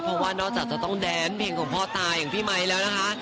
เพราะว่านอกจากจะต้องแดนเพลงของพ่อตาอย่างพี่ไมค์แล้วนะคะ